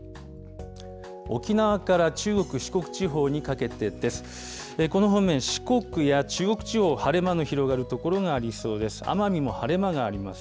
沖縄から中国、四国地方にかけてです。